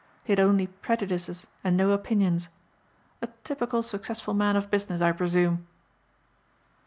He had only prejudices and no opinions. A typical successful man of business I presume."